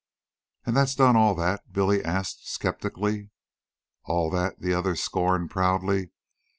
"An' that done all that?" Billy asked skeptically. "All that!" the other scorned proudly.